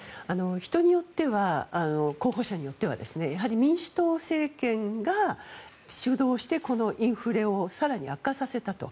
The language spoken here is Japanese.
人によっては、候補者によっては民主党政権が主導してこのインフレを更に悪化させたと。